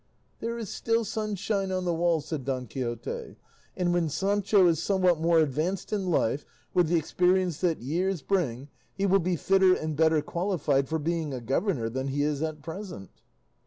"There is still sunshine on the wall," said Don Quixote; "and when Sancho is somewhat more advanced in life, with the experience that years bring, he will be fitter and better qualified for being a governor than he is at present."